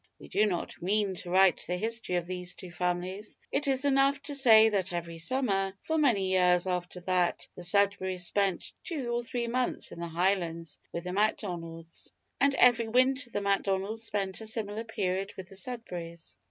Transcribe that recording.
We do not mean to write the history of these two families. It is enough to say, that every summer, for many years after that, the Sudberrys spent two or three months in the Highlands with the Macdonalds, and every winter the Macdonalds spent a similar period with the Sudberrys.